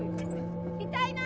痛いな！